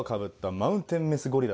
マウンテンメスゴリラ。